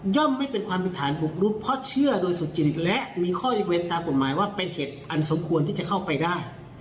ไม่เป็นความผิดฐานบุกรุกเพราะเชื่อโดยสุจริตและมีข้อยกเว้นตามกฎหมายว่าเป็นเหตุอันสมควรที่จะเข้าไปได้